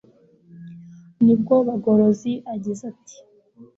ni bwo bagorozi agize ati